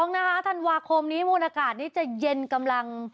อ่า๑๑๑๒นะคะธันวาคมนี้มุมอากาศนี้จะเย็นกำลัง